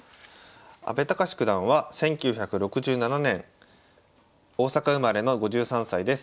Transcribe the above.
阿部隆九段は１９６７年大阪生まれの５３歳です。